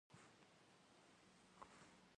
Abı yi heder şış'alhha ş'ıp'er nobemi khıtxueş'erkhım.